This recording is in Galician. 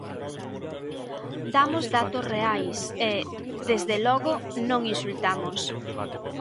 Dámos datos reais e, desde logo, non insultamos.